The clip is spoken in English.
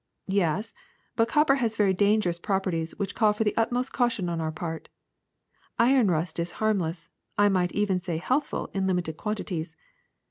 Yes; but copper has very dangerous properties which call for the utmost caution on our part. Iron rust is harmless, I might even say healthful, in limited quantities.